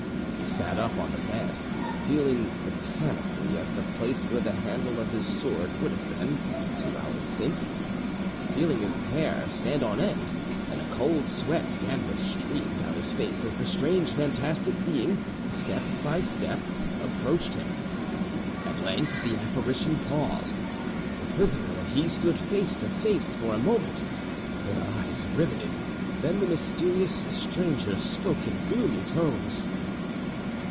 He sat up on the bed, feeling mechanically at the place where the handle of his sword would have been but two hours since, feeling his hair stand on end, and a cold sweat began to stream down his face as the strange fantastic being step by step approached him. At length the apparition paused, the prisoner and he stood face to face for a moment, their eyes riveted; then the mysterious stranger spoke in gloomy tones.